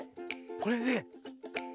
これで。